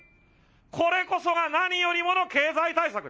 これこそが何よりもの経済対策。